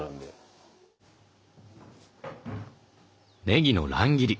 ねぎの乱切り。